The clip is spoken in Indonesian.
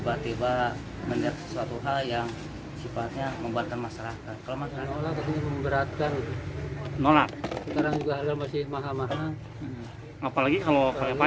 ppn bahan pangan dinilai memberatkan masyarakat karena harga barang asli